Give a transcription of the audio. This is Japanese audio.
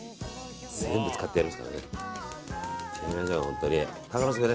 全部使ってやりますからね。